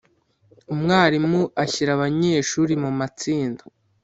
Umwarimu ashyira abanyeshuri mu matsinda